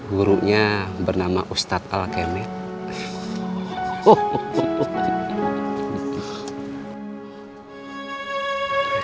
gurunya bernama ustadz al aqamed